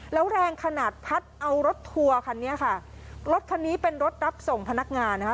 แล้วแรงขนาดพัดเอารถทัวร์คันนี้ค่ะรถคันนี้เป็นรถรับส่งพนักงานนะคะ